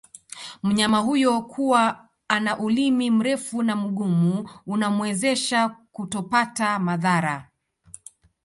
Mnyama huyo kuwa ana Ulimi mrefu na Mgumu unamwezesha kutopata madhara